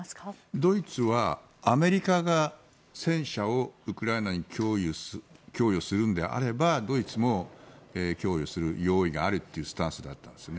ドイツはアメリカが戦車をウクライナに供与するのであればドイツも供与する用意があるというスタンスだったんですよね。